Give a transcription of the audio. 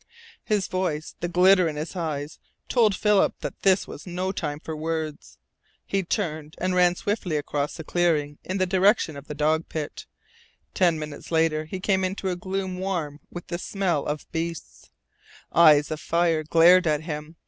His voice, the glitter in his eyes, told Philip this was no time for words. He turned and ran swiftly across the clearing in the direction of the dog pit, Ten minutes later he came into a gloom warm with the smell of beast. Eyes of fire glared at him.